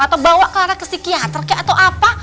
atau bawa clara ke psikiater ke atau apa